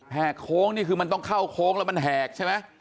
โค้งนี่คือมันต้องเข้าโค้งแล้วมันแหกใช่ไหม